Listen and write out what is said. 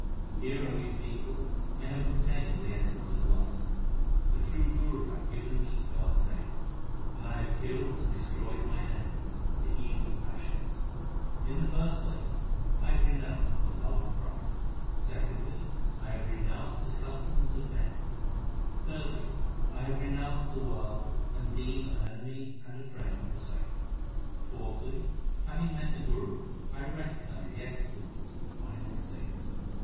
Hear, O ye people, I have obtained the essence of love. The true Guru hath given me God s name, and I have killed and destroyed mine enemies the evil passions. In the first place, I have renounced the love of pride ; Secondly, I have renounced the customs of men ; Thirdly, I have renounced the world, and deem an enemy and a friend the same. Fourthly, having met the Guru I recognize the excellences of the final state.